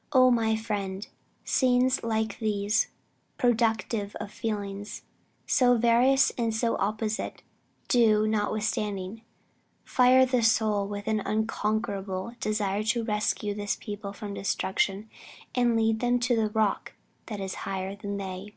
... Oh my friend, scenes like these, productive of feelings so various and so opposite, do notwithstanding, fire the soul with an unconquerable desire to rescue this people from destruction, and lead them to the Rock that is higher than they."